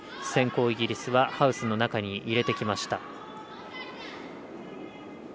先攻、イギリスはハウスの中に入れてきました。